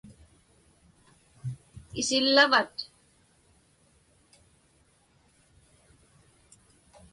Isillavat?